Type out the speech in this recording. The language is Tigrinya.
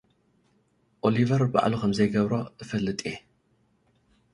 ኦሊቨር ባዕሉ ኸም ዘይገብሮ እፈልጥ እየ።